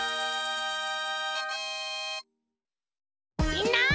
みんな！